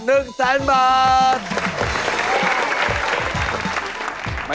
หมายเลข๑แนะนำตัวครับ